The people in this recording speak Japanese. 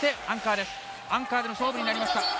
アンカーでの勝負になりました。